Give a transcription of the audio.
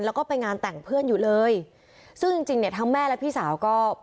แล้วก็ไปงานแต่งเพื่อนอยู่เลยซึ่งจริงจริงเนี่ยทั้งแม่และพี่สาวก็